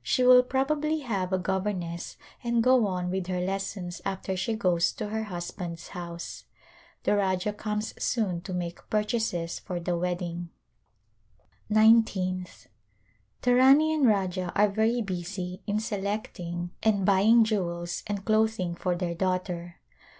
She will probably have a governess and go on with her lessons after she goes to her husband's house. The Rajah comes soon to make purchases for the wedding. Nineteenth. The Rani and Rajah are very busy in selecting and A Glimpse of India buying jewels and clothing for their daughter.